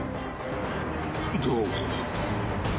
どうぞ。